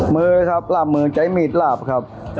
มือครับหลับมือใจมีดหลับครับ